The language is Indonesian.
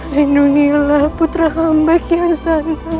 lindungilah putra hamba kian santan